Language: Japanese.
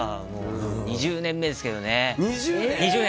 ２０年目ですけどね。